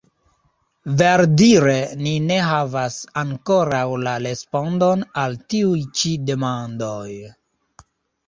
Ver-dire ni ne havas ankoraŭ la respondon al tiuj ĉi demandoj.